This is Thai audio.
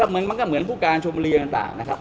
มันก็เหมือนผู้การชมบุรีต่างนะครับ